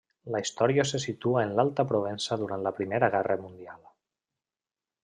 La història se situa en l'Alta Provença durant la Primera Guerra Mundial.